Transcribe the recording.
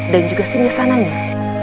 dan juga singesananya